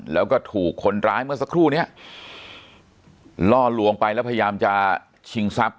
แล้วก็ถูกคนร้ายเมื่อสักครู่เนี้ยล่อลวงไปแล้วพยายามจะชิงทรัพย